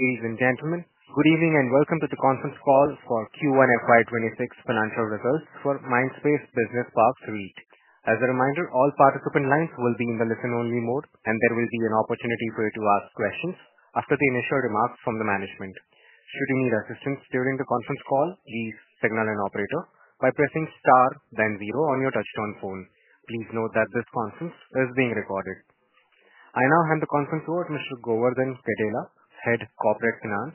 Ladies and gentlemen, good evening and welcome to the conference call for Q1 FY26 financial results for Mindspace Business Parks REIT. As a reminder, all participant lines will be in the listen only mode and there will be an opportunity for you to ask questions after the initial remarks from the management. Should you need assistance during the conference call, please signal an operator by pressing star then zero on your touch-tone phone. Please note that this conference is being recorded. I now hand the conference over to Mr. Govardhan Gedela, Head Corporate Finance.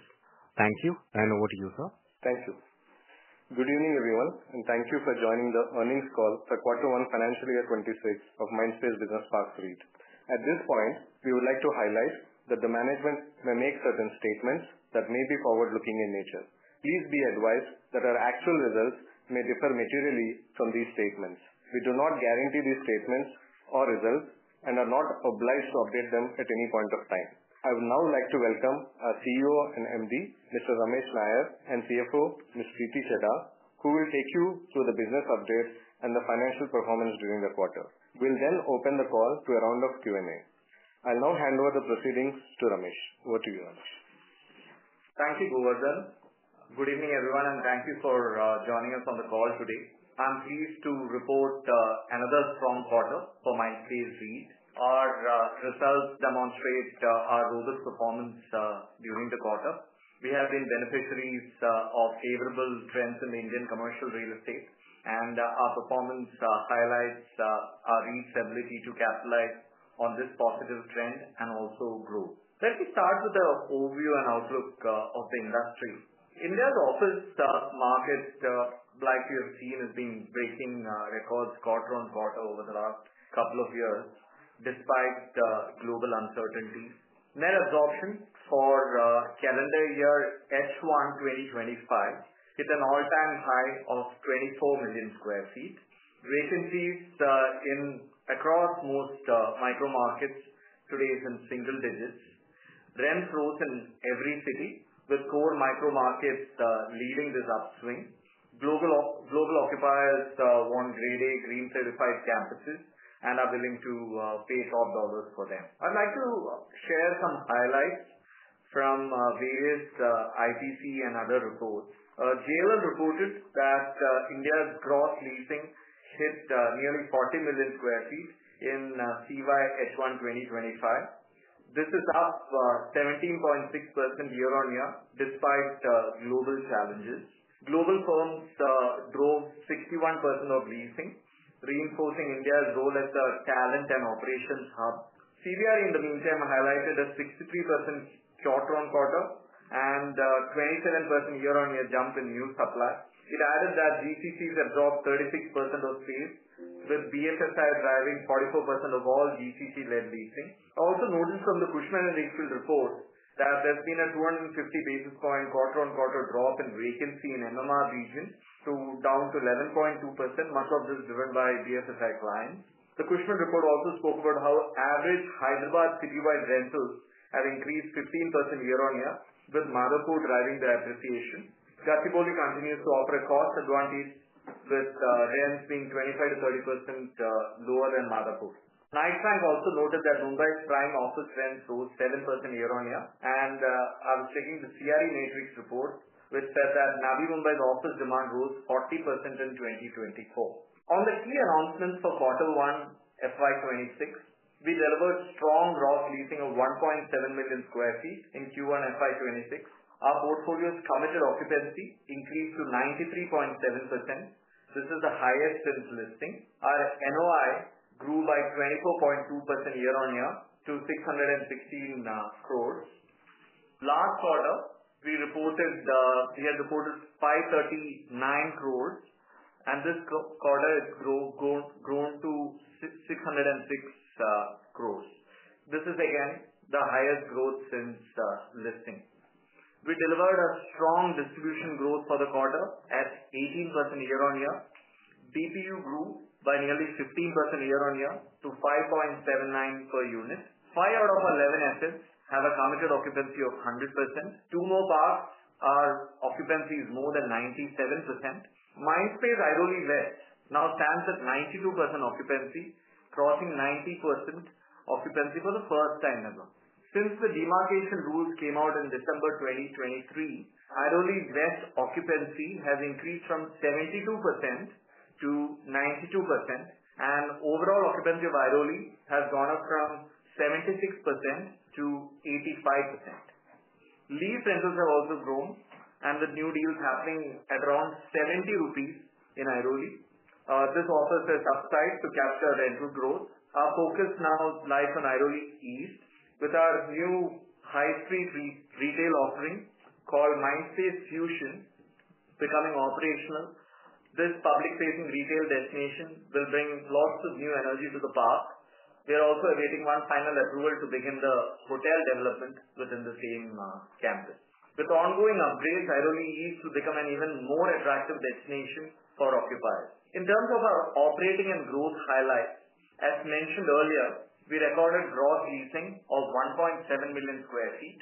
Thank you. And over to you sir. Thank you. Good evening everyone and thank you for joining the earnings call for quarter one financial year 2026 of Mindspace Business Parks REIT. At this point we would like to highlight that the management may make certain statements that may be forward looking in nature. Please be advised that our actual results may differ materially from these statements. We do not guarantee these statements or results and are not obliged to update them at any point of time. I would now like to welcome our CEO and MD Mr. Ramesh Nair and CFO Ms. Preeti Chheda who will take you through the business update and the financial performance during the quarter. We'll then open the call to a round of Q and A. I'll now hand over the proceedings to Ramesh. Over to you Ramesh. Thank you Govardhan. Good evening everyone and thank you for joining us on the call today. I am pleased to report another strong quarter for Mindspace Business Parks REIT. Our results demonstrate our robust performance during the quarter. We have been beneficiaries of favorable trends in the Indian commercial real estate and our performance highlights REIT's ability to capitalize on this positive trend and also grow. Let me start with the overview and outlook of the industry. India's office space market, like we have seen, has been breaking records quarter on quarter over the last couple of years despite global uncertainties. Net absorption for calendar year H1 2025 hit an all time high of 24 million sq ft. Vacancy rates across most micro markets today is in single digits. Rent growth in every city with core micro markets leading this upswing. Global occupiers want Grade A green certified campuses and are willing to pay top dollars for them. I'd like to share some highlights from various IPC and other reports. JLL reported that India's gross leasing hit nearly 40 million sq ft in CY H1 2025. This is up 17.6% year on year despite global challenges. Global firms drove 61% of leasing, reinforcing India's role as the talent and operations hub. CBRE, in the meantime, highlighted a 63% short run quarter and 27% year on year jump in new supply. It added that GCCs have dropped 36% of sales, with BFSI driving 44% of all GCC-led leasing. Also noted from the Cushman & Wakefield report that there's been a 250 basis point quarter on quarter drop in vacancy in the MMR region, down to 11.2%, much of this driven by BFSI clients. The Cushman report also spoke about how average Hyderabad citywide rentals have increased 15% year on year, with Madhapur driving the appreciation. Gachibowli continues to offer a cost advantage, with rents being 25%-30% lower than Madhapur. Knight Frank also noted that Mumbai's prime office rents rose 7% year on year, and I was taking the CRE Matrix report, which says that Navi Mumbai's office demand grows 40% in 2024. On the key announcements for Quarter 1 FY26, we delivered strong gross leasing of 1.7 million sq ft. In Q1 FY26, our portfolio's committed occupancy increased to 93.7%. This is the highest since listing. Our NOI grew by 24.2% year on year to 616 crores. Last quarter, we reported 539 crores, and this quarter it has grown to 606 crores. This is again the highest growth since listing. We delivered a strong distribution growth for the quarter at 18% year on year. DPU grew by nearly 15% year on year to 5.79 per unit. Five out of eleven assets have a committed occupancy of 100%. Two more parks are occupancy is more than 97%. Mindspace Airoli West now stands at 92% occupancy, crossing 90% occupancy for the first time ever since the demarcation rules came out in December 2023. Airoli West occupancy has increased from 72% to 92%, and overall occupancy of Airoli has gone up from 76% to 85%. Lease rentals have also grown, and with new deals happening at around 70 rupees in Airoli, this offers a substitute to capture rental growth. Our focus now lies on Airoli East, with our new high street retail offering called Mindspace Fusion becoming operational. This public-facing retail destination will bring lots of new energy to the park. We are also awaiting one final approval to begin the hotel development within the same campus, with ongoing upgrades for Airoli East to become an even more attractive destination for occupiers. In terms of our operating and growth highlights, as mentioned earlier, we recorded gross leasing of 1.7 million sq ft.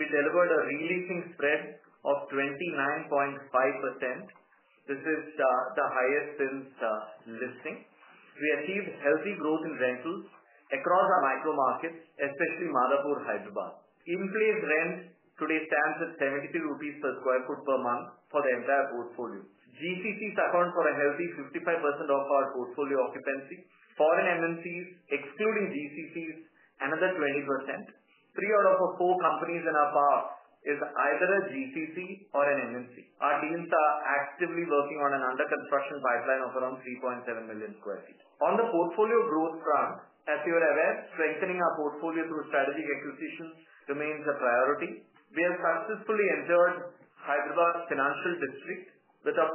We delivered a re-leasing spread of 29.5%. This is the highest since listing. We achieved healthy growth in rentals across our micro markets, especially Madhapur, Hyderabad. In-place rent today stands at 72 rupees per sq ft per month for the entire portfolio. GCCs account for a healthy 55% of our portfolio occupancy. Foreign MNCs excluding GCCs, another 20%. Three out of four companies in our portfolio is either a GCC or an MNC. Our teams are actively working on an under-construction pipeline of around 3.7 million sq ft on the portfolio growth track. As you are aware, strengthening our portfolio through strategic acquisitions remains a priority. We have successfully entered Hyderabad Financial District with an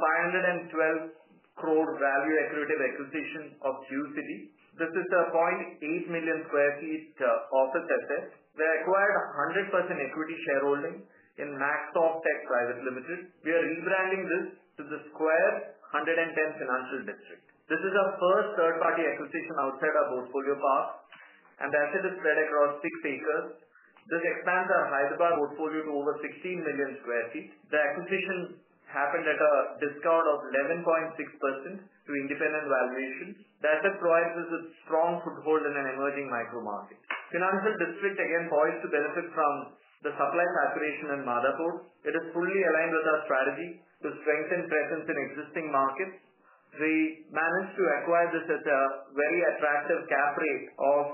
512 crore value-accretive acquisition of UCD. This is the 0.8 million sq ft office success. We acquired 100% equity shareholding in Mack Soft Tech Private Limited. We are rebranding this to The Square 110, Financial District. This is our first third-party acquisition outside our portfolio path and the asset is spread across 6 acres. This expands our Hyderabad portfolio to over 16 million sq ft. The acquisition happened at a discount of 11.6% to independent valuation. That provides us a strong foothold in an emerging micro market, Financial District. It is poised to benefit from the supply saturation in Madhapur. It is fully aligned with our strategy to strengthen presence in existing markets. We managed to acquire this at a very attractive cap rate of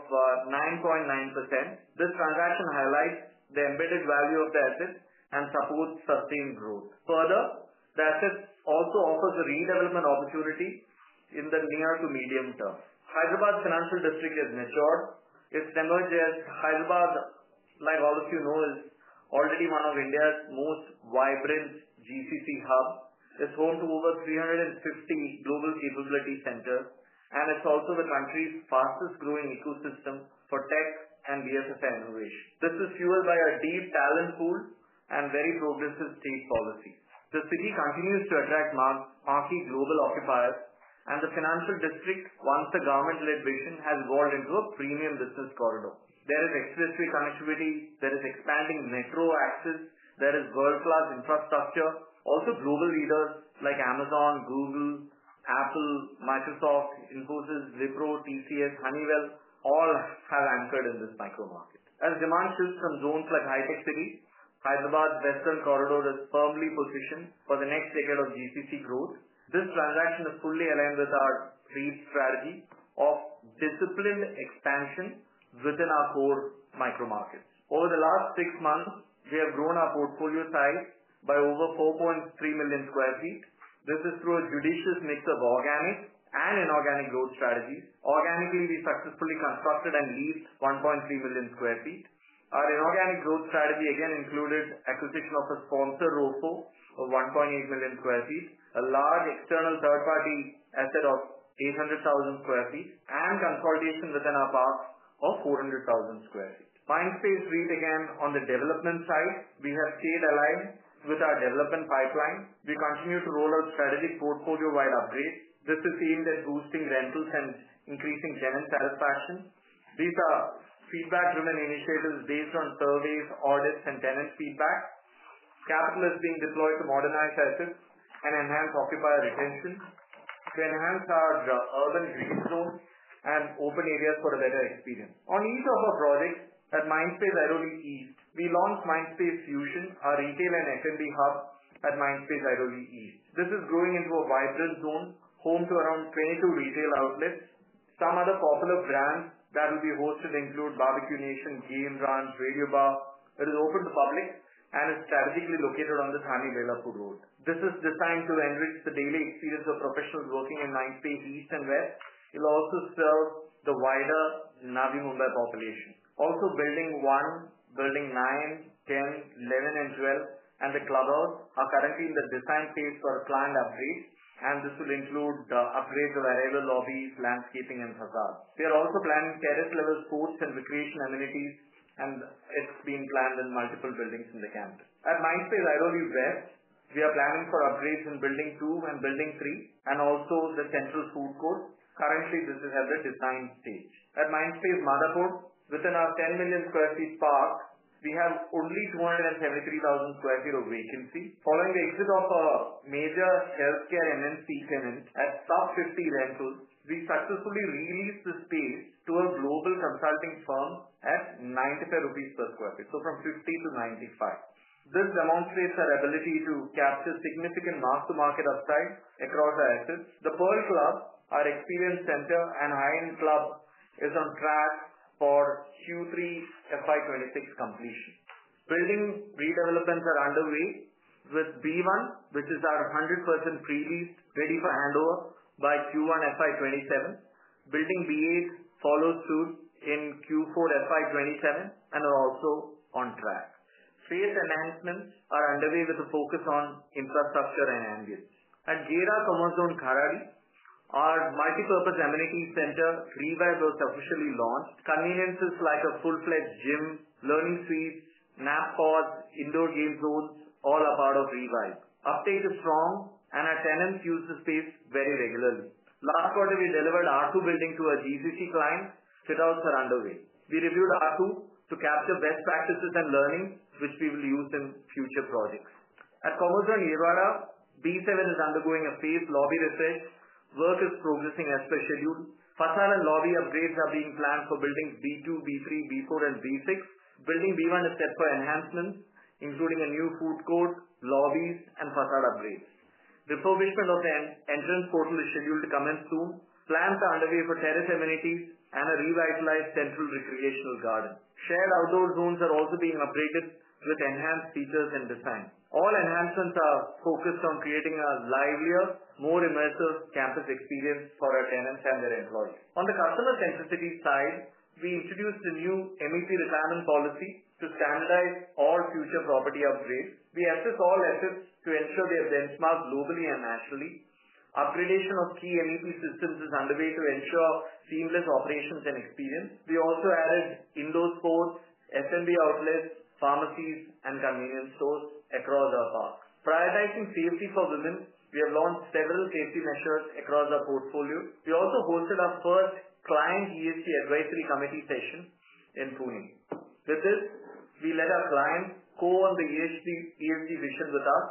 9.9%. This transaction highlights the embedded value of the assets and supports sustained growth. Further, the asset also offers a redevelopment opportunity in the near to medium term. Hyderabad Financial District is, as you know, its demographic. Hyderabad, like all of you know, is already one of India's most vibrant GCC hubs. It's home to over 350 Global Capability Centers and it's also the country's fastest growing ecosystem for tech and DSS innovation. This is fueled by a deep talent pool and very progressive state policy. The city continues to attract marquee global occupiers and the Financial District, once a government-led vision, has evolved into a premium business corridor. There is excellent connectivity, there is expanding Metro access, and there is world-class infrastructure. Also, global leaders like Amazon, Google, Apple, Microsoft, Infosys, Wipro, TCS, Honeywell all have anchored in this micro market. As demand shifts from zones like HITEC City, Hyderabad Western Corridor is firmly positioned for the next decade of GCCs growth. This transaction is fully aligned with our REIT strategy of disciplined expansion within our core micro market. Over the last six months, we have grown our portfolio size by over 4.3 million sq ft. This is through a judicious mix of organic and inorganic growth strategies. Organically, we successfully constructed and leased 1.3 million sq ft. Our inorganic growth strategy again included acquisition of a frontage of 1.8 million sq ft, a large external third-party asset of 800,000 sq ft, and consolidation within our parks of 400,000 sq ft. Mindspace REIT again, on the development side, we have stayed aligned with our development pipeline. We continue to roll out strategic portfolio-wide upgrades. This is aimed at boosting rentals and increasing tenant satisfaction. These are feedback-driven initiatives based on surveys, audits, and tenant feedback. Capital is being deployed to modernize assets and enhance occupier retention to enhance our urban reset flow and open areas. For a better experience on each of our projects, at Mindspace Airoli East, we launched Mindspace Fusion, our retail and SMB hub. At Mindspace Airoli East, this is growing into a vibrant zone home to around 22 retail outlets. Some other popular brands that will be hosted include Barbecue Nation, Game Ranch, and Radio Bar. It is open to public and is strategically located on the Thane-Belapur Road. This is designed to enrich the daily experience of professionals working in Mindspace East and West. It will also serve the wider Navi Mumbai population. Also, Building 1, Building 9, 10, 11, and 12, and the clubhouse are currently in the design phase for a planned upgrade, and this will include upgrades of arrival, lobbies, landscaping, and facade. They are also planning terrace levels, coasts, and recreation amenities, and it's been planned in multiple buildings in the campus. At Mindspace Airoli West, we are planning for upgrades in Building 2 and Building 3 and also the Central Food Court. Currently, this is at the design stage. At Mindspace Madhapur, within our 10 million sq ft park, we have only 273,000 sq ft of vacancy. Following the exit of a major healthcare MNC tenant at top 50 rental, we successfully released the space to a global consulting firm at 95 rupees per sq ft, so from 50 to 95. This demonstrates our ability to capture significant mark-to-market upside across our assets. The Pearl Club, our experience center and high end club, is on track for Q3 FY2026 completion. Building redevelopments are underway with B1, which is our 100% pre-leased, ready for handover by Q1 FY27. Building B8 will follow through in Q4 FY27 and is also on track. Facade enhancements are underway with a focus on infrastructure and ambience. At Gera Commerzone Kharadi our multipurpose amenity center Revive is officially launched. Conveniences like a full-fledged gym, learning suites, nap pods, and indoor game floors are all part of Revive. Uptake is strong as tenants use the space very regularly. Last quarter, we delivered the R2 building to a GCC client without surrender way. We reviewed R2 to capture best practices and learning, which we will use in future projects. At Commerce Yirwala, B7 is undergoing a phased lobby. Research work is progressing as per schedule. Facade and lobby upgrades are being planned for buildings B2, B3, B4, and B6. Building B1 is set for enhancements including a new food court, lobbies, and facade uprising. The provision of the entrance portal is scheduled to commence soon. Plans are underway for terrace amenities and a revitalized central recreational garden. Shared outdoor zones are also being updated with enhanced features and design. All enhancements are focused on creating a livelier, more immersive campus experience for our tenants and their employees. On the customer density side, we introduced the new MEP retirement policy to standardize all future property upgrades. We assess all assets to ensure they have been smart, locally and naturally. Upgradation of key MEP systems is underway to ensure seamless operations and experience. We also added indoor sports, SMB outlets, pharmacies, and convenience stores across our park. Prioritizing safety for women, we have launched several safety measures across our portfolio. We also hosted our first client ESG Advisory Committee session in Pune. With this, we let our clients go on the ESG vision with us.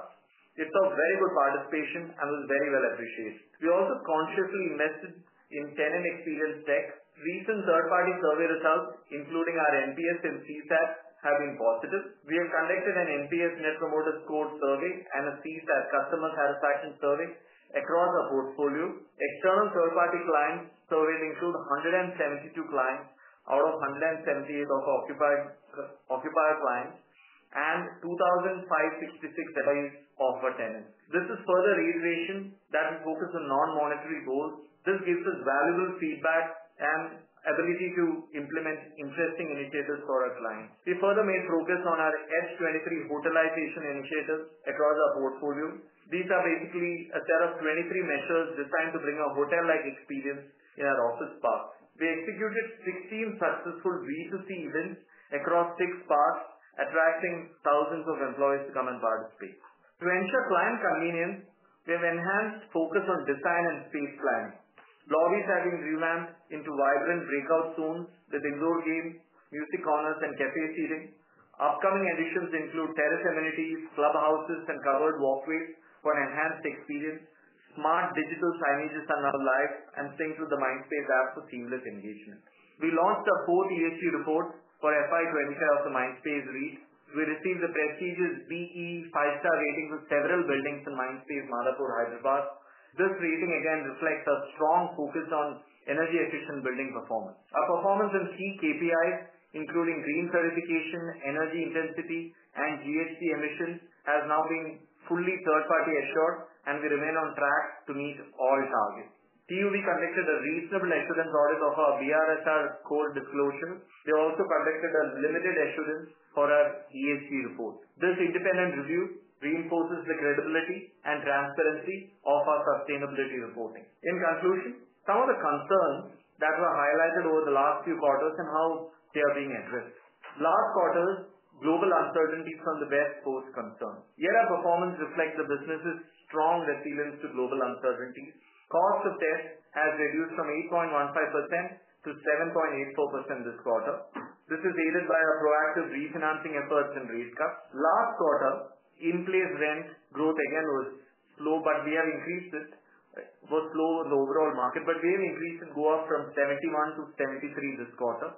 It's a very good participation and was very well appreciated. We also consciously invested in tenant experience tech. Recent third-party survey results, including our NPS and CSAT, have been positive. We have conducted an NPS Net Promoter Code survey and a Seized at Customer Satisfaction survey across our portfolio. External third-party client surveys include 172 clients out of 178 of occupying occupier clients and 2,566 of a tenant. This is further revision that we focus on non-monetary goals. This gives us valuable feedback and ability to implement interesting initiatives for our clients. We further made focus on our S23 hotelization initiatives across our portfolio. These are basically a set of 23 measures designed to bring a hotel-like experience. In our office park we executed 16 successful V2C events across six parks, attracting thousands of employees to come and participate to ensure client convenience. We have enhanced focus on design and space planning. Lobbies have been revamped into vibrant breakout zones with indoor games, music corners, and cafe seating. Upcoming additions include terrace amenities, clubhouses, and covered walkways for an enhanced experience. Smart digital signages are now live and sync through the Mindspace app for seamless engagement. We launched a fourth ESG report for FY23 of the Mindspace REIT. We received a prestigious VE5 Star rating for several buildings in Mindspace Madhapur, Hyderabad. This rating again reflects a strong focus on energy-efficient building performance. Our performance in key KPIs including green certification, energy intensity, and GHG emissions has now been fully third-party assured and we remain on track to meet all targets. TUV conducted a reasonable excellence audit of our BRSR code disclosure. We also conducted a limited assurance for our ESG Report. This independent review reinforces the credibility and transparency of our sustainability reporting. In conclusion, some of the concerns that were highlighted over the last few quarters and how they are being addressed. Last quarter's global uncertainty from the West Coast concern year. Our performance reflects the business's strong resilience to global uncertainties. Cost of debt has reduced from 8.15% to 7.84% this quarter. This is aided by our proactive refinancing efforts and rate cuts. Last quarter in-place rent growth again was slow but we have increased. This was slow in the overall market but we have increased IT go up from 71 to 73 this quarter.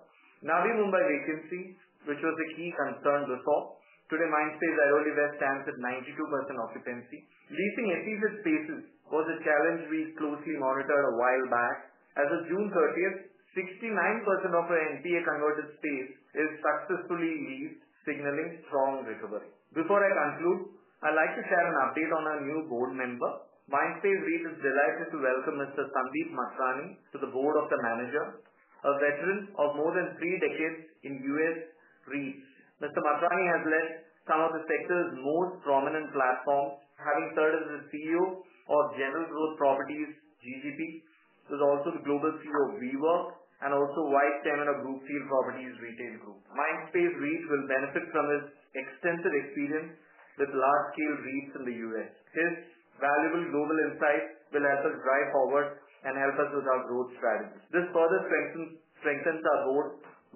Navi Mumbai vacancy, which was a key concern before, today Mindspace Airoli West stands at 92% occupancy. Leasing SEC was a challenge we closely monitored a while back. As of June 30, 69% of our NPA converted space is successfully leased, signaling strong recovery. Before I conclude, I'd like to share an update on our new board member. Mindspace REIT is delighted to welcome Mr. Sandeep Mathrani to the Board of the Manager. A veteran of more than three decades in U.S. REITs, Mr. Mathrani has led some of the sector's most prominent platforms. Having started as CEO of General Growth Properties (GGP), he was also the Global CEO of WeWork and also Vice Chairman of Brookfield Properties Retail Group. Mindspace REIT will benefit from his extensive experience with large scale REITs in the U.S. His valuable global insight will help us drive forward and help us with our growth strategy. This further strengthens our board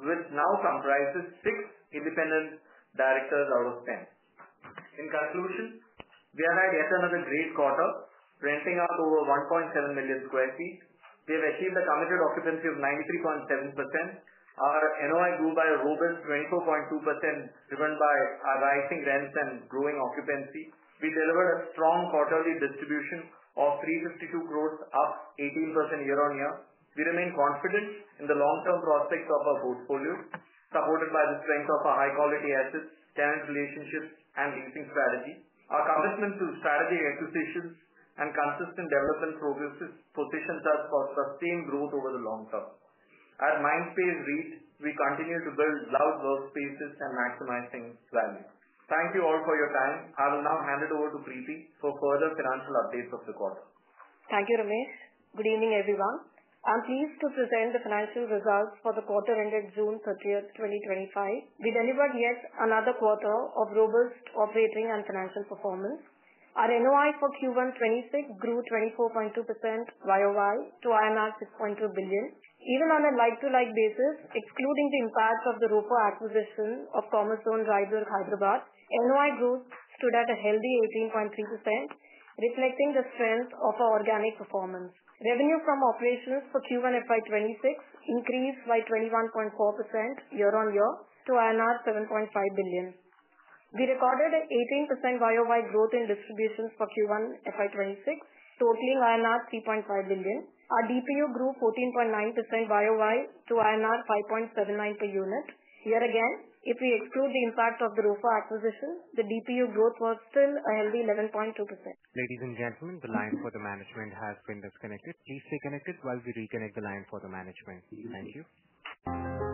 with now 6 independent directors out of 10. In conclusion, we have had yet another great quarter, renting up over 1.7 million sq ft. We have achieved a committed occupancy of 93.7%. Our NOI grew by a robust 24.2%, driven by our rising rents and growing occupancy. We delivered a strong quarterly distribution of 352 crores, up 18% year on year. We remain confident in the long term prospects of our portfolio, supported by the strength of our high quality assets, tenant relationships, and leasing strategy. Our commitment to strategic acquisitions and consistent development positions us for sustained growth over the long term. At Mindspace REIT, we continue to build world-class workspaces and maximize value. Thank you all for your time. I will now hand it over to Preeti for further financial updates of the quarter. Thank you, Ramesh. Good evening everyone. I'm pleased to present the financial results for the quarter ended June 30, 2025. We delivered yet another quarter of robust operating and financial performance. Our NOI for Q126 grew 24.2% YoY to 6.2 billion. Even on a like-to-like basis, excluding the impact of the third-party acquisition of Commerzone, Hyderabad, NOI growth stood at a healthy 18.3%, reflecting the strength of our organic performance. Revenue from operations for Q1FY26 increased by 21.4% YoY to INR 7.5 billion. We recorded an 18% YoY growth in distributions for Q1FY26 totaling INR 3.5 billion. Our DPU grew 14.9% YoY to INR 5.79 per unit. Here again, if we exclude the impact of the third-party acquisition, the DPU growth was still 11.2%. Ladies and gentlemen, the line for the management has been disconnected. Please stay connected while we reconnect the line for the management team. Thank you.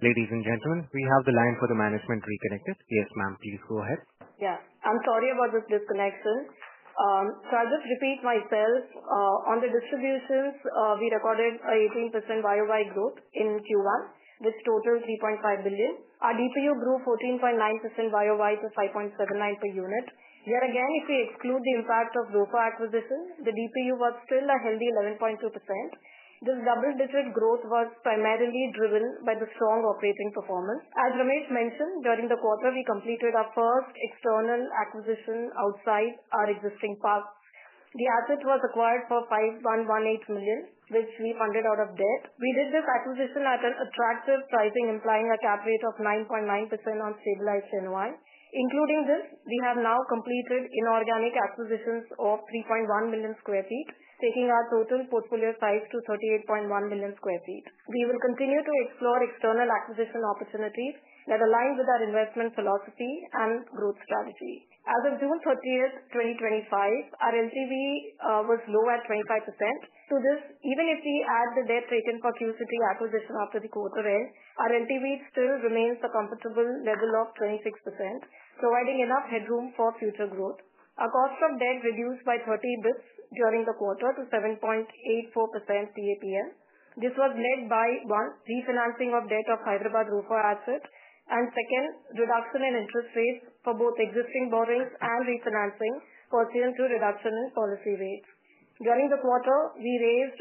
Ladies and gentlemen, we have the line for the management reconnected. Yes, ma'am. Please go ahead. Yeah, I'm sorry about this disconnection so I'll just repeat myself on the distributions. We recorded 18% YoY growth in Q1 with total 3.5 billion. Our DPU grew 14.9% YoY to 5.79 per unit. Yet again, if we exclude the impact of The Square acquisition, the DPU was still a healthy 11.2%. This double digit growth was primarily driven by the strong operating performance. As Ramesh mentioned, during the quarter, we completed our first external acquisition outside our existing portfolio. The asset was acquired for 5,118 million which we funded out of debt. We did this acquisition at an attractive pricing implying a cap rate of 9.9% on stabilized NOI. Including this, we have now completed inorganic acquisitions of 3.1 million sq ft, taking our total portfolio size to 38.1 million sq ft. We will continue to explore external acquisition opportunities that align with our investment philosophy and growth strategy. As of June 30, 2025, our LTV was low at 25%. Even if we add the debt taken for QCT acquisition after the quarter end, our LTV still remains at a comfortable level of 26%, providing enough headroom for future growth. Our cost of debt reduced by 30 basis points during the quarter to 7.84%. This was led by refinancing of debt of Hyderabad assets and a reduction in interest rates for both existing borrowings and refinancing, correlating to reduction in policy rates. During the quarter we raised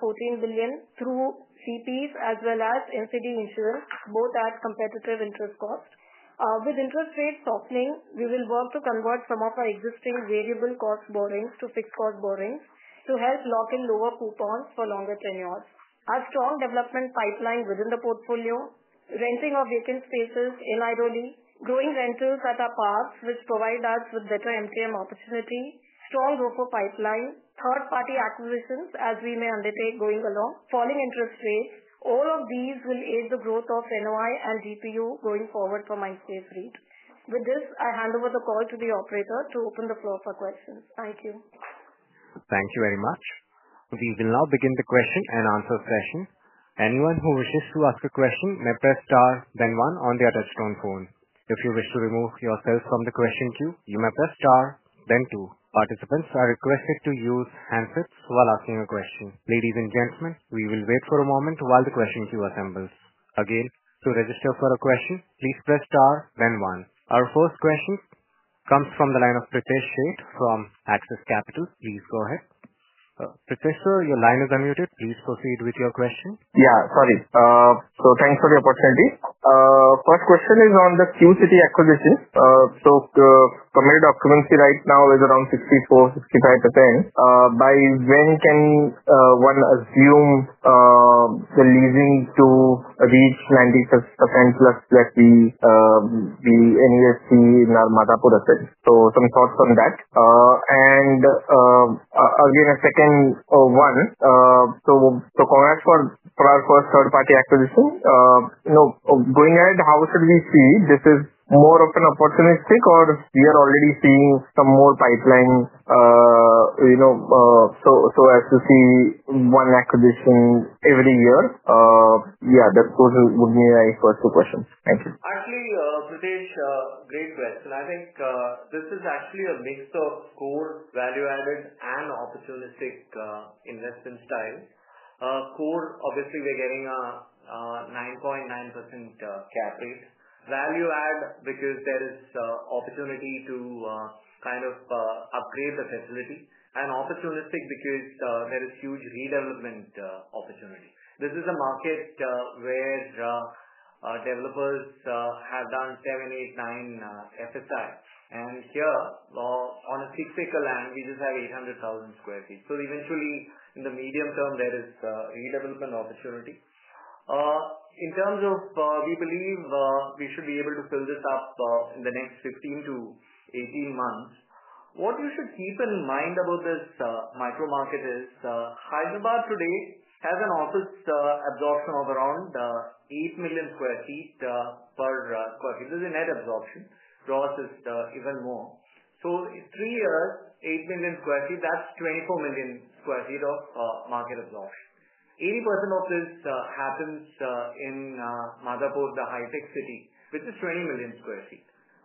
14 billion through CPs as well as NCD issuance, both at competitive interest cost. With interest rates softening, we will work to convert some of our existing variable cost borrowings to fixed cost borrowings to help lock in lower coupons for longer tenures. A strong development pipeline within the portfolio, renting of vacant spaces in Airoli, growing rentals at our parks which provide us with better MTM opportunity, strong third-party acquisition pipeline as we may undertake going along with falling interest rates. All of these will aid the growth of NOI and DPU going forward for Mindspace REIT. With this I hand over the call to the operator to open the floor for questions. Thank you. Thank you very much. We will now begin the question and answer session. Anyone who wishes to ask a question may press star then one on the touchtone phone. If you wish to remove yourself from the question queue, you may press star then two. Participants are requested to use handsets while asking a question. Ladies and gentlemen, we will wait for a moment while the question queue assembles again. To register for a question, please press star then one. Our host question comes from the line of Pritesh Sheth from AXIS Capital. Please go ahead, Pritesh, your line is unmuted. Please proceed with your question. Yeah, sorry. Thanks for the opportunity. First question is on the Q-City acquisitions. The committed occupancy right now is around 64%-65%. By when can one assume the leasing to reach 96%+, like the NUSC Narmata process? Some thoughts on that. Again, a second one. Congrats for our first third-party acquisition. Going ahead, how should we see this? Is it more of an opportunistic or are we already seeing some more pipeline, so as to see one acquisition every year? That goes to questions. Thank you. Actually, Pritesh, great question. I think this is actually a mix of core, value-added, and opportunistic investment style. Core, obviously, we're getting a 9.9% cap rate. Value add because there is opportunity to kind of upgrade the facility, and opportunistic because there is huge redevelopment opportunity. This is a market where developers have done 7, 8, 9 FSI, and here on a 6-acre land we just have 800,000 sq ft. Eventually, in the medium term, there is redevelopment opportunity. We believe we should be able to fill this up in the next 15-18 months. What you should keep in mind about this micro market is Hyderabad today has an office absorption of around 8 million sq ft per annum. This is a net absorption process even more, so three years, 8 million sq ft, that's 24 million sq ft of market absorption. 80% of this happens in Madhapur, the high-tech city, which is 20 million sq ft.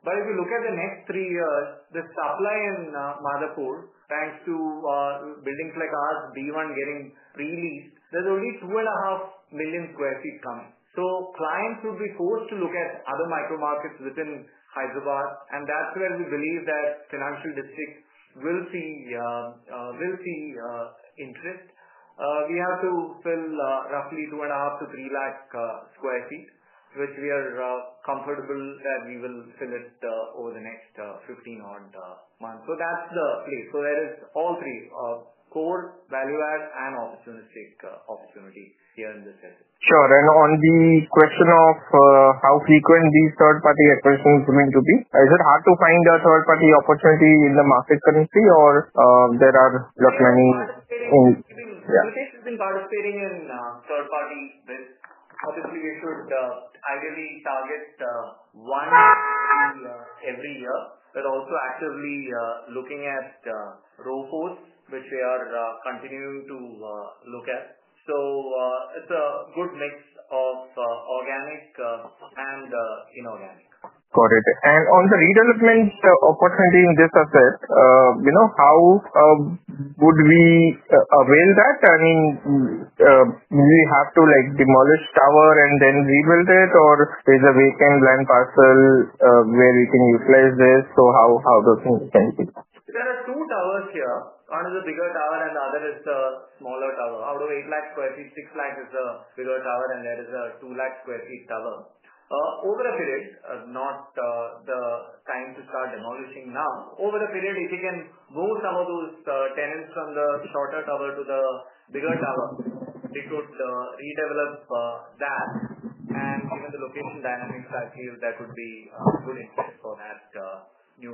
If you look at the next three years, the supply in Madhapur, thanks to buildings like ours, B1, getting released, there's already 2.5 million sq ft, so clients would be forced to look at other micro markets within Hyderabad, and that's where we believe that Financial District will see interest. We have to fill roughly 2.5 to 3 lakh sq ft, which we are comfortable that we will fill over the next 15-odd months. That's the place. There is all three: core, value add, and opportunistic opportunity here in this asset. Sure. On the question of how frequent these third-party acquisitions are going to be, is it hard to find a third-party opportunity in the market currently, or are you planning on? participating in third parties. Ideally, you should target one every year. We're also actively looking at ROFOs, which we are continuing to look at. It's a good mix of organic and inorganic. Got it. On the redevelopment opportunity in this asset, how would we avail that? I mean, do we have to demolish a tower and then rebuild it, or is there a vacant land parcel where you can utilize this? How can those things happen? There are two towers here, one is the bigger tower and the other is the smaller tower. Out of 8 lakh sq ft, 6 lakh is the bigger tower and there is a 2 lakh sq ft tower. Over a period, if you can move some of those tenants from the shorter tower to the bigger tower, we could redevelop that. Given the location dynamics, I feel there would be good interest for that new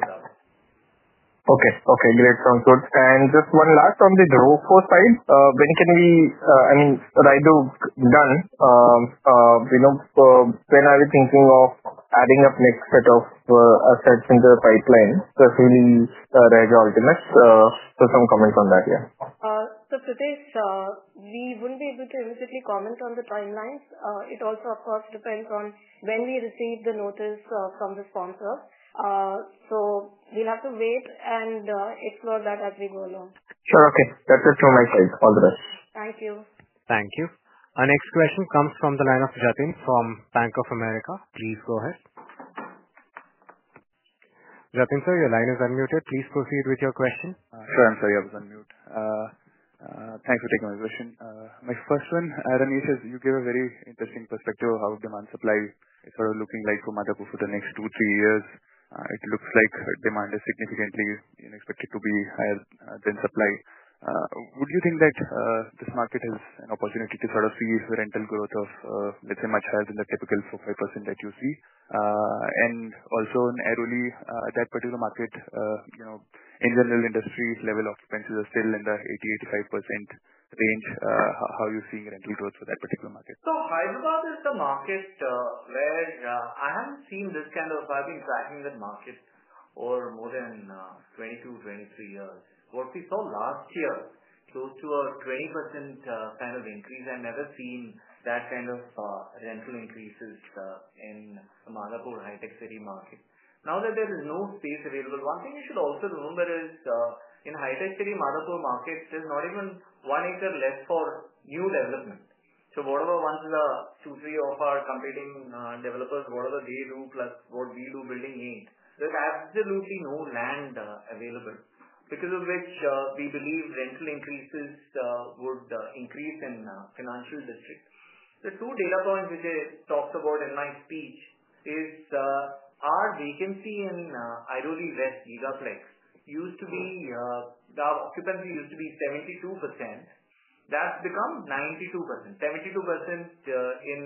level. Okay, great. Sounds good. Just one last from the ROFO side, when can we, I mean, when are we thinking of adding up the next set of assets in the pipeline, especially regal units? Some comments on that. Yeah. We wouldn't be able to immediately comment on the timelines. It also, of course, depends on when we receive the notice from the sponsor. We'll have to wait and explore that as we go along. Sure. Okay, that's on my side. All the rest. Thank you. Thank you. Our next question comes from the line of Jatin from Bank of America. Please go ahead sir, your line is unmuted. Please proceed with your question. Sure. I'm sorry, I was on mute. Thanks for taking my session. My first one Ramesh, is you gave a very interesting perspective how demand supply is sort of looking like for Madhapur for the next two, three years. It looks like demand is significantly expected to be higher than supply. Would you think that this market has an opportunity to sort of see rental growth of let's say much higher than the typical 4, 5% that you see. Also in Airoli, that particular market, you know, in general industries level occupancies are still in the 80%, 85% range. How are you seeing rental growth for that particular market? Hyderabad is the market where I haven't seen this kind of buying cracking that market for more than 22, 23 years. What we saw last year, close to a 20% panel increase. As I've seen that kind of rental increases in Madhapur, HITEC City market, now that there is no space available. One thing you should also remember is in HITEC CIty, Madhapur markets, there is not even one acre left for new development. Whatever ones the supply of our competing developers, whatever they do plus what we do building, there is absolutely no land available because of which we believe rental increases would increase in Financial District. The two data points which I talked about in my speech is our vacancy in Airoli West Gigalex used to be, the occupancy used to be 72%. That's become 92%, 72% in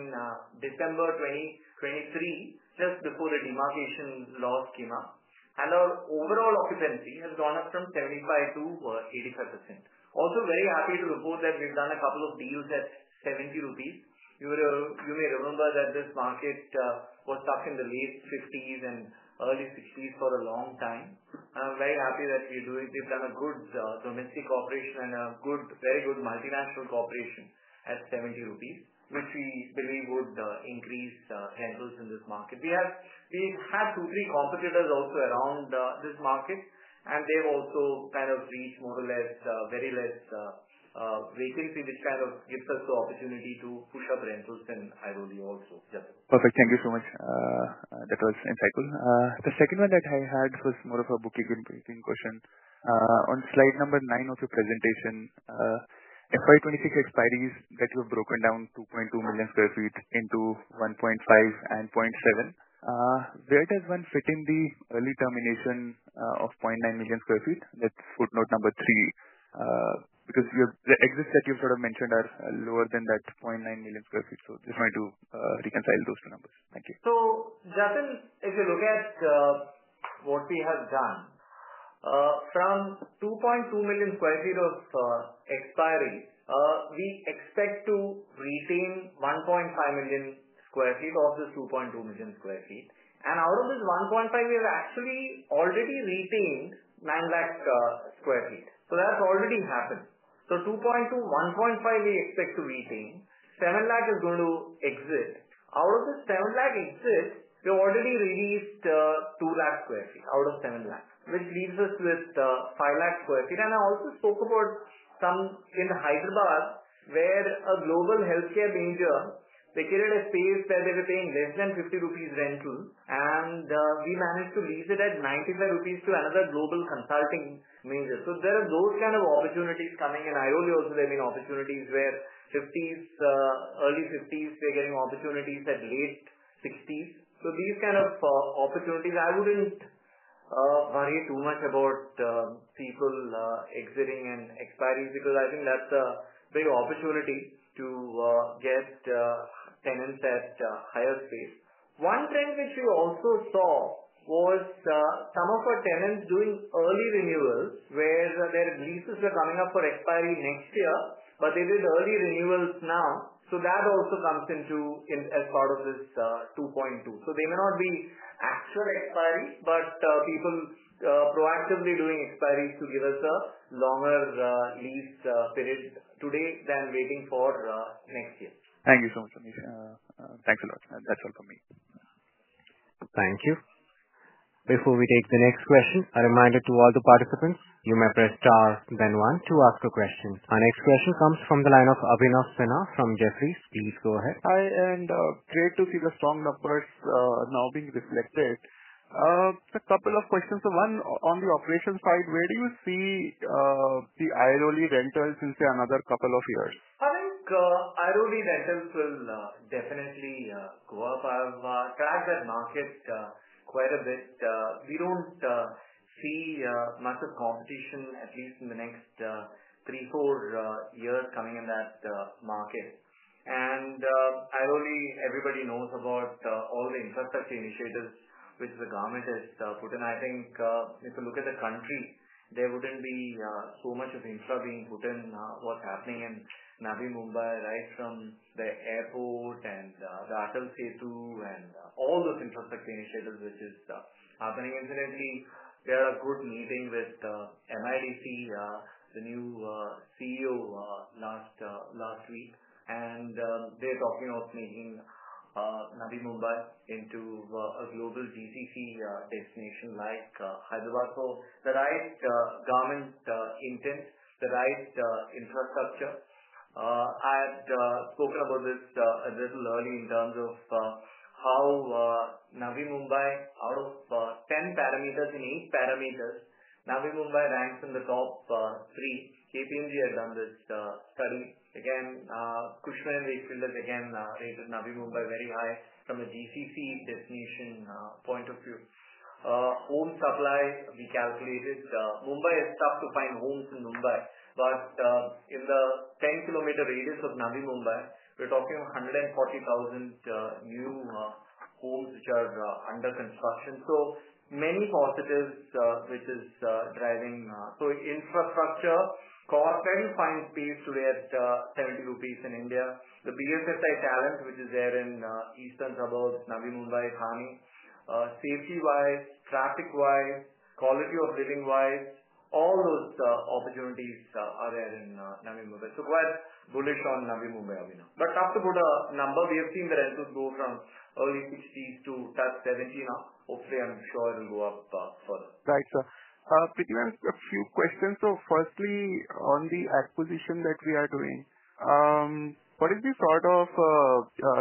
December 2023 just before the demarcation laws came up. Our overall occupancy has gone up from 75 to 85%. Also very happy to report that we've done a couple of deals at 70 rupees, you may remember that this market was stuck in the late 50s and early 60s for a long time. I'm very happy that we've done it. We've done a good domestic corporation and a very good Multinational Corporation at 70 rupees, which we believe would increase handles in this market. We have two, three competitors also around this market and they've also kind of reached more or less very less vacancy, which kind of gives us the opportunity to push up rentals in Airoli also. Yes, perfect. Thank you so much. That was insightful. The second one that I had was more of a bookie question. On slide number nine of your presentation, FY26 expiries that you have broken down, 2.2 million sq ft into 1.5 and 0.7. Where does one fit in the early termination of 0.9 million sq ft? That's footnote number three because the exits that you sort of mentioned are lower than that 0.9 million sq ft. I just wanted to reconcile those two numbers. Thank you. Jatin, if you look at what we have done from 2.2 million sq ft of expiry, we expect to retain 1.5 million sq ft of this 2.2 million sq ft. Out of this 1.5, we have. Actually already retained 900,000 sq ft. That's already happened. So 2.2, 1.5. We expect to be seeing 7 lahk is going to exit. Out of the 7 lahk exits, we already released 2 lahk sq ft out of 7 lahk, which leaves us with 5 lahk sq ft. I also spoke about in Hyderabad where a global healthcare major vacated a space where they were paying less than 50 rupees rental and we managed to lease it at 95 rupees to another global consulting major. There are those kinds of opportunities coming. In Airoli also, there have been opportunities where early 50s, we're getting opportunities at late 60s. These kinds of opportunities, I wouldn't worry too much about people exiting and expiry because I think that's a big opportunity to get tenants at higher space. One thing that you also saw was some of our tenants doing early renewal where their leases are coming up for expiry next year, but they did early renewals now. That also comes into as part of this 2.2. They may not be actual expiry, but people proactively doing expiry to give us a longer lease period today than waiting for next year. Thank you so much. Thanks a lot. That's all for me. Thank you. Before we take the next question, a reminder to all the participants. You may press star then one to ask a question. Our next question comes from the line of Abhinav Sinha from Jefferies. Please go ahead. Great to see the strong numbers now being reflected. A couple of questions. One on the operations side. Where do you see the Airoli rentals in say another couple of years? I think Airoli will definitely go up. I've tracked that market quite a bit. We don't see much of competition at least in the next three, four years coming in that market. I believe everybody knows about all the infrastructure initiatives which the government has put in. If you look at the country, there wouldn't be so much of infra being put in. What's happening in Navi Mumbai right from the airport and Setu and all those infrastructure initiatives which are happening. Incidentally, there was a good meeting with MITC, the new CEO, last week and they're talking of making Navi Mumbai into a global GCC destination like Hyderabad. The right government, intent, the right infrastructure. I had spoken about this a little earlier in terms of how Navi Mumbai out of 10 parameters, in 8 parameters Navi Mumbai ranks in the top 3. KPMG has done this. Again, Cushman and Wakefield again rate Navi Mumbai very high. From a GCC definition point of view, home supply, we calculated Mumbai is tough to find homes in Mumbai. In the 10 km radius of Navi Mumbai, we're talking 140,000 new homes which are under construction. There are so many positives which is driving infrastructure cost, where you find peace today at 70 rupees in India, the BSSI talent which is there in eastern suburb Navi Mumbai, safety wise, traffic wise, quality of living wise. All those opportunities are there in Navi Mumbai. Go ahead, bullish on Navi Mumbai, Amina, but talks about a number. We have seen the rentals go from early 60s to 70 now, hopefully, I'm sure it'll go up further. Right? Sir, a few questions. Firstly, on the acquisition that we are doing, what is the sort of,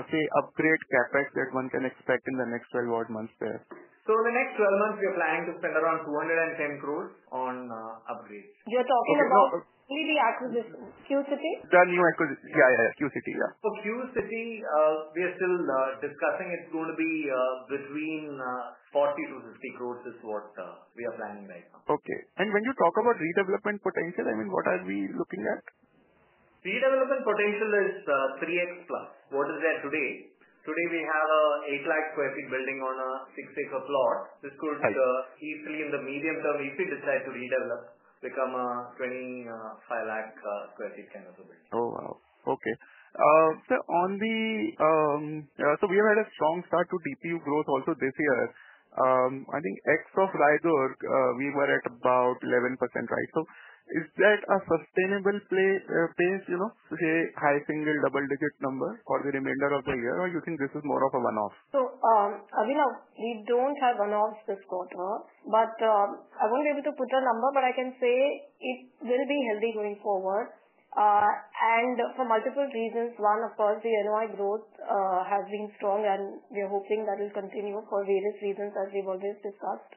say, upgrade CapEx that one can expect in the next 12 odd months there? In the next 12 months, we are planning to spend around 210 crore on average. You're talking about Q-City. Q-City we are still discussing, it's going to be between 40-50 crore is what we are planning right now. When you talk about redevelopment potential, I mean what are we looking at? Redevelopment potential is 3x+. What is there today? Today we have an 8 lakh sq ft building on a 6 acre plot. This could easily, in the medium term, if we decide to redevelop, become a 25 lakh sq ft kind of a building. Oh wow. We have had a strong start to DPU growth. Also, this year I think, excluding Rizorg, we were at about 11%. Right. Is that a sustainable pace, you know, to say high single or double digit number for the remainder of the year, or you think this is more of a one off? We don't have one offs this quarter, but I won't be able to put a number. I can say it will be healthy going forward and for multiple reasons. One, of course, the NOI growth has been strong and we are hoping that will continue for various reasons. As we've always discussed,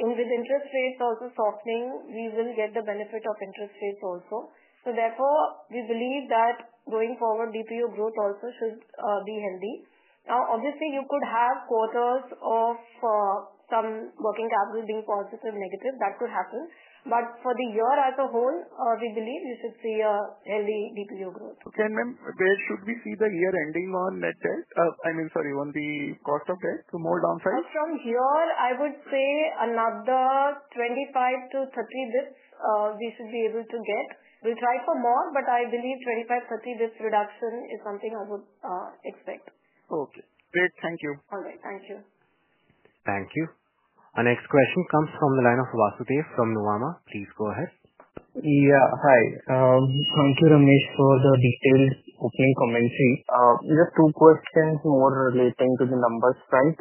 with interest rates also softening, we will get the benefit of interest rates also. Therefore, we believe that going forward DPU growth also should be healthy. Obviously, you could have quarters of some working capital being positive, negative, that could happen. For the year as a whole, we believe you should see a healthy DPU growth. Should we see the year ending on net debt, I mean, sorry, on the cost of debt, to more downside from. Here I would say another 25 basis points-30 basis points we should be able to give. We'll try for more, but I believe 25 basis points, 30 basis points reduction is something I would expect. Okay, great. Thank you. All right, thank you. Thank you. Our next question comes from the line of Vasudev from Nuvama. Please go ahead. Yeah, hi. Thank you Ramesh for the detailed commentary. Just two questions. More relating to the numbers front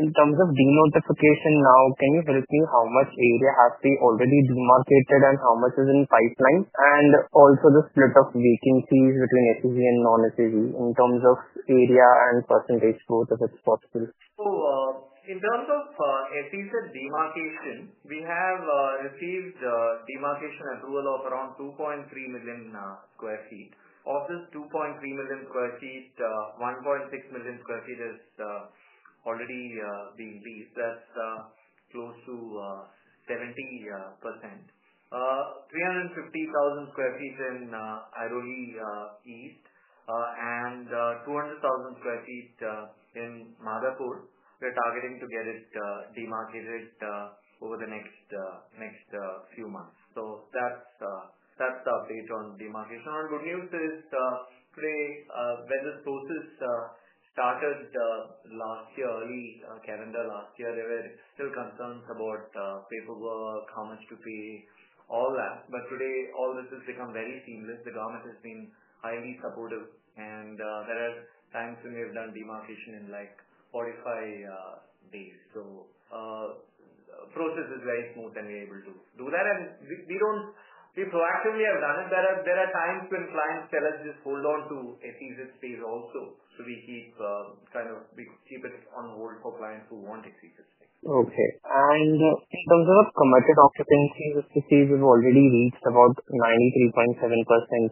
in terms of denotification. Now can you help me? How much area have we already demarcated and how much is in pipeline? And also the split of vacancies between SEZ and non-SEZ in terms of area and percentage growth if it's possible. In terms of SEZ demarcation, we have received demarcation approval of around 2.3 million sq ft. Of this 2.3 million sq ft, 1.6 million sq ft is already being leased. That's close to 70%. 350,000 sq ft in Airoli East and 200,000 sq ft in Madhapur. We're targeting to get it demarcated over the next few months. That's the update on demarcation. Good news is today vendors closest started last year early calendar. Last year there were still concerns about paperwork, how much to pay, all that. Today all this has become very seamless. The government has been highly supportive and there are times when we have done demarcation in like 45 days. The process is very smooth and we're able to do that and we proactively have done it. There are times when clients tell us just hold on to a thesis phase also. We kind of keep it on hold for clients who want exits. Okay. In terms of committed occupancies, if you see we've already reached about 93.7%.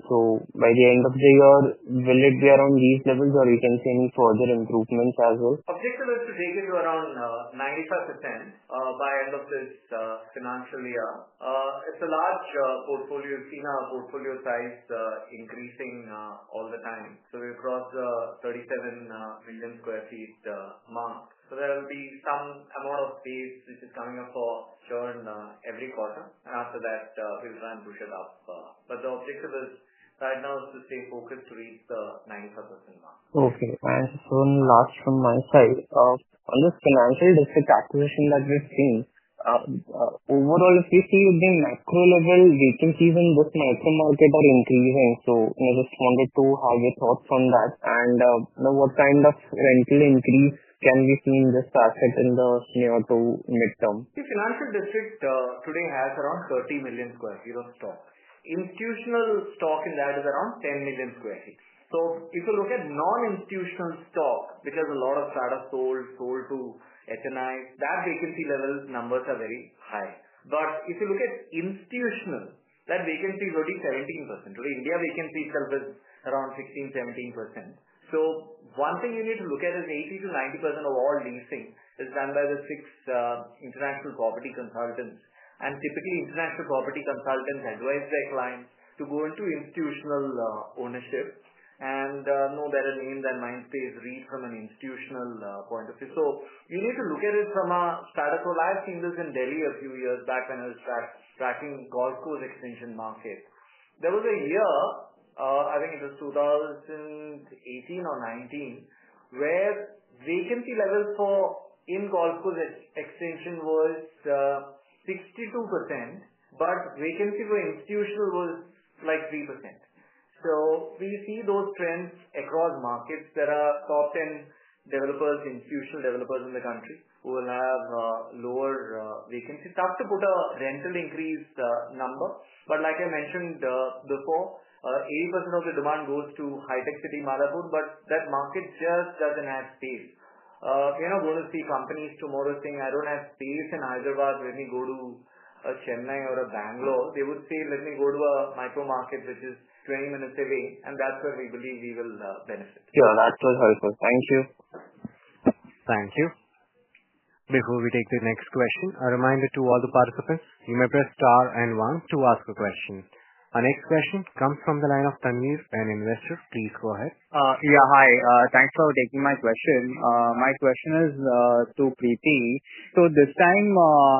By the end of the year will it be around these levels or you can see any further improvements as well? Objective is taken to around 95% by end of this financial year. It's a large portfolio. Seen our portfolio size increasing all the time. We crossed the 37 million sq ft mark. There will be some amount of space which is coming up for sure every quarter after that we'll run push it up. The obstacle is right now staying focused to reach the 9th of Septmber. Okay. One last from my side on this Financial District acquisition that we've seen overall if we see the macro level vacancies in both micro market are increasing. Responded to how we thoughts on that and what kind of rental increase can we see in this asset in the near to midterm. The Financial District today has around 30 million sq ft of stock. Institutional stock in that is around 10 million sq ft. If you look at non-institutional stock which has a lot of startup sold to HNI that vacancy level numbers are very high. If you look at institutional, that vacancy is already 17%. India vacancy itself is around 16%,17%. One thing you need to look at is 80%-90% of all leasing is done by the six international property consultants. Typically, international property consultants advise their clients to go into institutional ownership, and no better name than Mindspace REIT from an institutional point of view. You need to look at it from a category. I have seen this in Delhi a few years back when I was tracking Golf Course Extension market. There was a year, I think it was 2018 or 2019, where vacancy level for Golf Course Extension was 62%, but vacancy for institutional was like 3%. We see those trends across markets. There are top 10 developers and future developers in the country who will have lower vacancy. Talked about a rental increase number, but like I mentioned before, 80% of the demand goes to HITEC City, Madhapur. That market just doesn't have space. We're not going to see companies tomorrow saying I don't have space in Hyderabad, let me go to a Chennai or a Bangalore. They would say let me go to a micro market which is 20 minutes away, and that's where we believe we will benefit. That was helpful. Thank you. Thank you. Before we take the next question, a reminder to all the participants. You may press star and one to ask a question. Our next question comes from the line of Taniv and investors. Please go ahead. Hi. Thanks for taking my question. My question is to Preeti. This time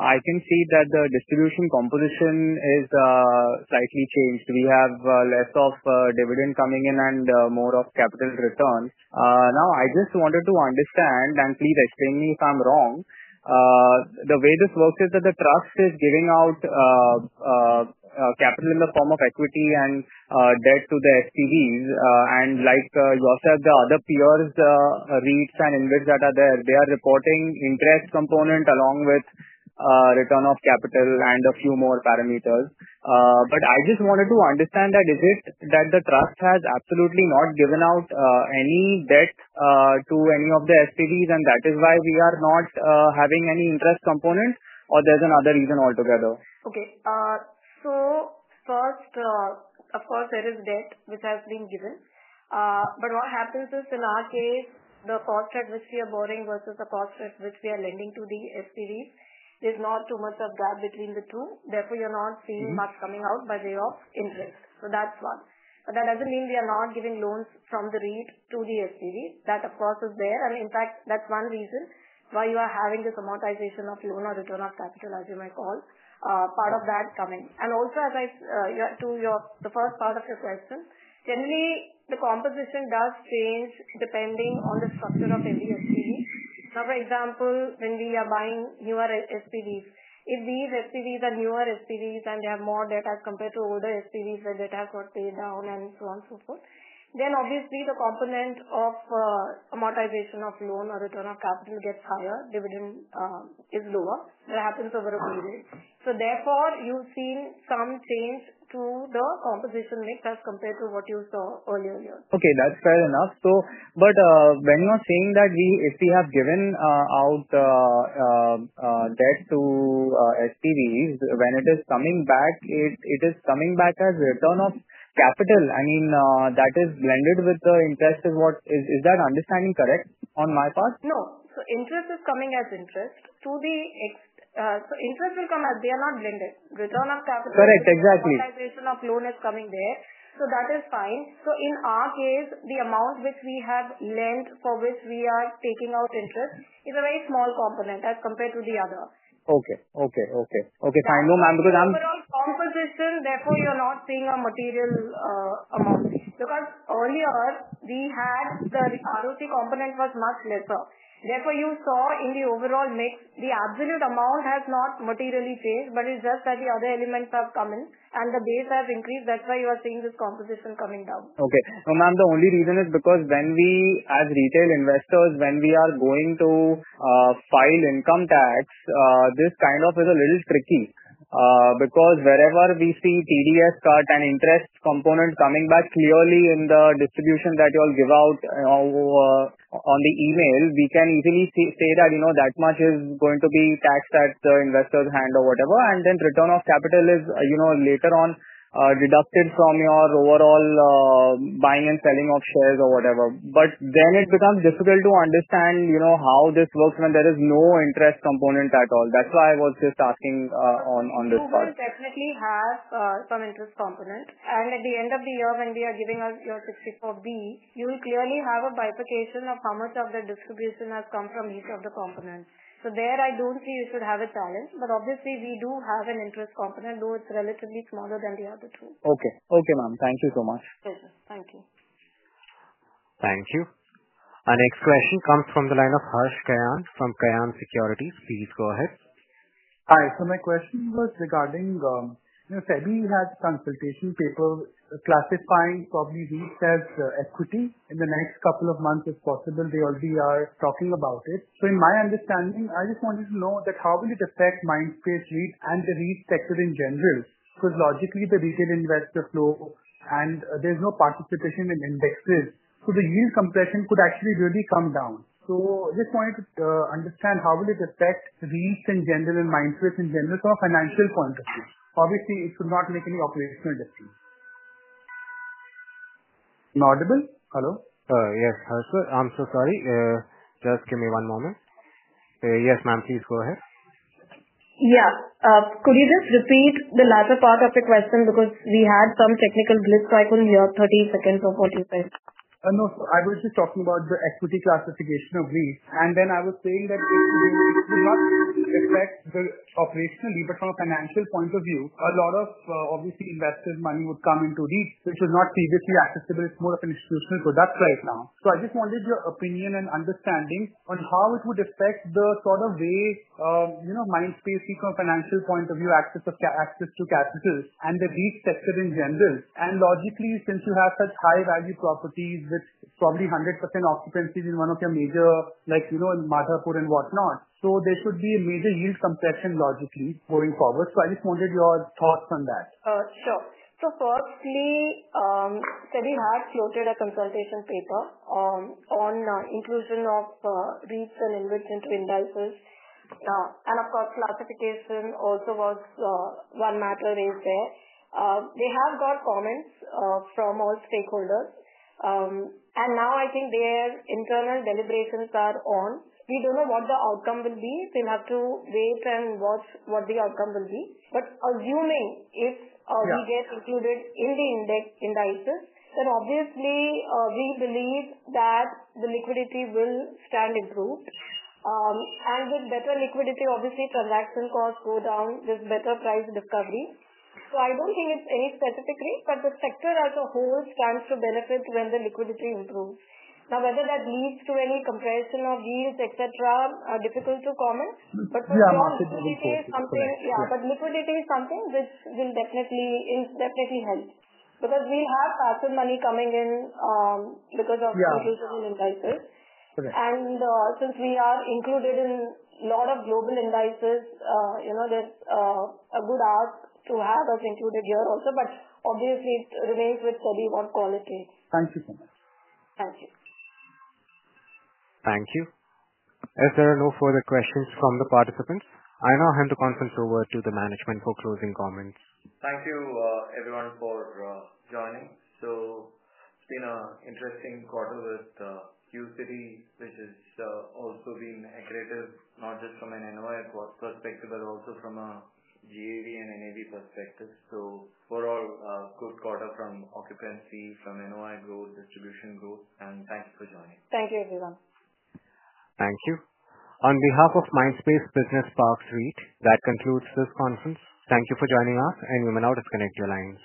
I can see that the distribution composition is slightly changed. We have less of dividend coming in and more of capital return. I just wanted to understand, and please explain me if I'm wrong. The way this works is that the trust is giving out capital in the form of equity and debt to the SPVs. Like yourself, the other peers, REITs and INVITs that are there, they are reporting interest component along with return of capital and a few more parameters. I just wanted to understand, is it that the trust has absolutely not given out any debt to any of the SPVs and that is why we are not having any interest components, or there's another reason altogether. Okay, so first of course there is debt which has been given. What happens is in our case the cost at which we are borrowing versus the cost at which we are lending to the SPV, there's not too much of a gap between the two. Therefore, you're not seeing much coming out by way of interest. That's one. That doesn't mean we are not giving loans from the REIT to the SPV, that part is there. In fact, that's one reason why you are having this amortization of loan or return of capital, as you may call part of that coming. Also, as I to your the first part of your question, generally the composition does change depending on the structure of every SPV. For example, when we are buying newer SPVs, if these SPVs are newer SPVs and they have more debt as compared to older SPVs where debt got paid down and so on and so forth, then obviously the component of amortization of loan or return of capital gets higher, dividend is lower, that happens over a period. Therefore, you've seen some change to the composition mix as compared to what you saw earlier here. Okay, that's fair enough. When you are saying that if we have given out debt to SPV, when it is coming back, it is coming back as return of capital. I mean, that is blended with the interest or what is. Is that understanding correct on my part? No interest is coming as interest to the ex. Interest will come as they are not blended. Return of capital. Correct, Exactly. The loan is coming there. That is fine. In our case, the amount which we have lent for which we are taking out interest is a very small component as compared to the other. Okay, fine. No ma'am, composition, therefore you're not paying a material amount. Because earlier we had the Karuti component was much lesser. Therefore, you saw in the overall mix the absolute amount has not materially changed. It's just that the other elements have come in and the base has increased. That's why you are seeing this composition coming down. Okay, the only reason is because when we as retail investors, when we are going to file income tax, this kind of is a little tricky because wherever we see TDS cut and interest component coming back, clearly in the distribution that you all give out on the email, we can easily say that, you know, that much is going to be taxed at the investor's hand or whatever. Then return of capital is, you know, later on deducted from your overall buying and selling of shares or whatever. It becomes difficult to understand, you know, how this works when there is no interest component at all. That's why I was just asking on. On this definitely have some interest components, and at the end of the year when we are giving your 64B, you will clearly have a bifurcation of how much of the distribution has come from each of the component. There I don't see you should have a challenge. Obviously, we do have an interest component, though it's relatively smaller than the other two. Okay. Okay ma'am, thank you so much. Thank you. Thank you. Our next question comes from the line of Harsh Kayan from Kayan Securities. Please go ahead. Hi, my question was regarding SEBI has consultation paper classifying probably REITs as equity in the next couple of months if possible. They already are talking about it. In my understanding, I just wanted to know how will it affect Mindspace REIT and the REIT sector in general? Logically, the retail investor flow and there's no participation in indexes, so the yield compression could actually really come down. I just wanted to understand how will it affect REITs in general, mindsets in general from a financial point of view. Obviously, it should not make any operational distance. Hello? Yes, I'm so sorry, just give me one moment. Yes, ma'am, please go ahead. Yeah, could you just repeat the latter part of the question because we had some technical glitch. I couldn't hear 30 or 40 seconds. No, I was just talking about the equity classification of REITs and then I was saying that it will not affect operationally, but from a financial point of view, a lot of obviously investors' money would come into REITs which is not previously accessible. It's more of an institutional product right now. I just wanted your opinion and understanding on how it would affect the sort of way you know Mindspace from a financial point of view, access to capital, and the risk sector in general. Logically, since you have such high value properties with probably 100% occupancy in one of your major, like you know, Madhapur and whatnot, there should be a major yield compression logically going forward. I just wanted your thoughts on that. Sure. So firstly, SEBI have floated a consultation paper on inclusion of REITs and investment, and of course classification also was one matter there. We have got comments from all stakeholders, and now I think their internal deliberations are on. We don't know what the outcome will be. We'll have to wait and watch what the outcome will be. Assuming if we get included in the index in the IFS, then obviously we believe that the liquidity will stand improved, and with better liquidity, obviously transaction costs go down, there's better price discovery. I don't think it's any specifically, but the sector as a whole stands to benefit when the liquidity improves. Now, whether that leads to any comparison of yields, etc., are difficult to comment, but liquidity is something which will definitely, definitely help because we have passive money coming in because of, and since we are included in a lot of global indices, you know there's a good ask to have of included here also, but obviously it remains with who we want quality. Thank you so much. Thank you. As there are no further questions from the participant, I now hand the conference over to the management for closing comments. Thank you everyone for joining. It's been an interesting quarter with Q-City, which has also been accretive not just from an NOI perspective but also from a GAV and NAV perspective. All good quarter from occupancy, from NOI growth, distribution growth, and thanks for joining. Thank you, everyone. Thank you on behalf of Mindspace Business Parks REIT. That concludes this conference. Thank you for joining us and you may now disconnect your lines.